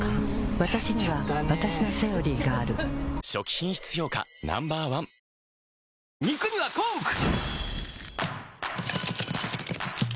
わたしにはわたしの「セオリー」がある初期品質評価Ｎｏ．１顔の印象はね変わるのよ